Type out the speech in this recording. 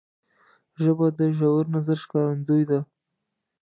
ژبه د ژور نظر ښکارندوی ده